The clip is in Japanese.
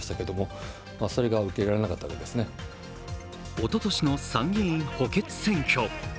おととしの参議院補欠選挙。